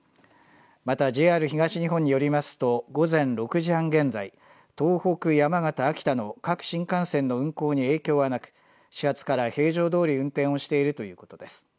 また、ＪＲ東日本によりますと、午前６時半現在、東北、山形、秋田の各新幹線の運行に影響はなく、始発から平常どおり運転をしているということです。